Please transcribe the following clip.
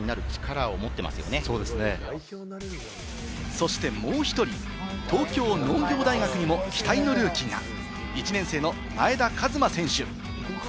そしてもう１人、東京農業大学の期待のルーキーが１年生の前田和摩選手。